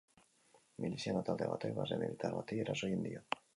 Miliziano talde batek base militar bati eraso egin dio.